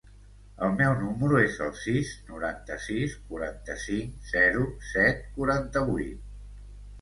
El meu número es el sis, noranta-sis, quaranta-cinc, zero, set, quaranta-vuit.